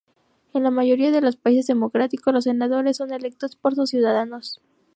En la mayoría de los países democráticos, los senadores son electos por sus ciudadanos.